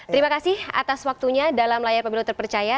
terima kasih atas waktunya dalam layar pemilu terpercaya